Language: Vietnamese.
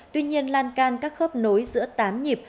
tuy nhiên lan can các khớp nối giữa tám nhịp